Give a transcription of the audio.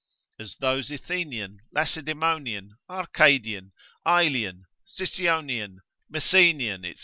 As those Athenian, Lacedaemonian, Arcadian, Aelian, Sycionian, Messenian, &c.